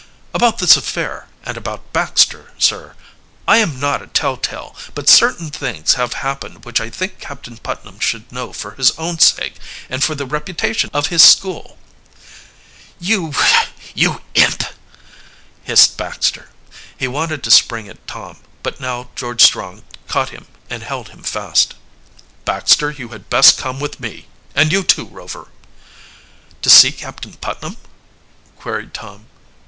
"About this affair, and about Baxter, sir. I am not a telltale, but certain things have happened which I think Captain Putnam should know for his own sake and for the reputation of his school." "You you imp!" hissed Baxter. He wanted to spring at Tom, but now George Strong caught him and held him fast. "Baxter, you had best come with me and you too, Rover." "To see Captain Putnam?" queried Tom.